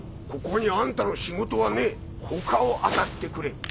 ここにあんたの仕事はねえ他を当たってくれ。